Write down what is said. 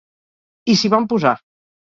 I s’hi van posar.